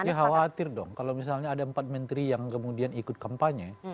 ya khawatir dong kalau misalnya ada empat menteri yang kemudian ikut kampanye